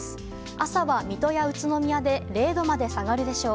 朝は水戸や宇都宮で０度まで下がるでしょう。